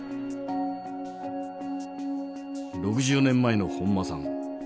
６０年前の本間さん。